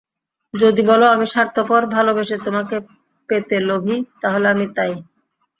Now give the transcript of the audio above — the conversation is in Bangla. যদি বলো আমি স্বার্থপর, ভালোবেসে তোমাকে পেতে লোভী, তাহলে আমি তা-ই।